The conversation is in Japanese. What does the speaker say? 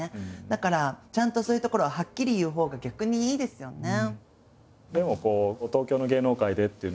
だからちゃんとそういうところははっきり言うほうが逆にいいですよね。